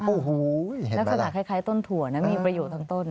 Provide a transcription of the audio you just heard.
อู้หู้แล้วสมัครคล้ายต้นถั่วนะมีประโยชน์ทั้งต้น